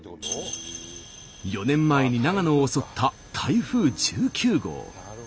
４年前に長野を襲った台風１９号。